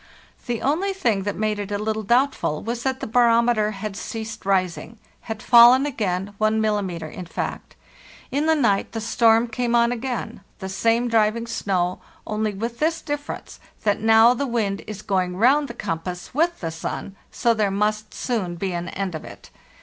The only thing that made it a little doubtful was that the barometer had ceased rising— had fallen again 1 millim.,in fact. In the night the storm came on again—the same driving snow, only with this difference, that now the wind is going round the compass wrth the sun, so there must soon be an end of it.